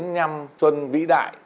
bốn nhăm xuân vĩ đại